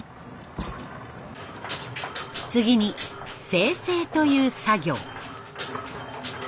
次に精製という作業。